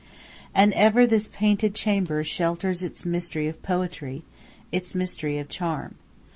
And ever this painted chamber shelters its mystery of poetry, its mystery of charm.